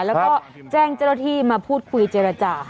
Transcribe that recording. แล้วก็แจ้งเจ้าหน้าที่มาพูดคุยเจรจา